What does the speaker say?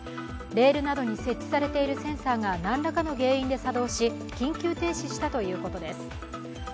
レールなどに設置されているセンサーが何らかの原因で作動し緊急停止したということです。